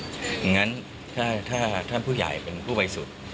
อย่างนั้นถ้าท่านผู้ใหญ่เป็นผู้บริสุทธิ์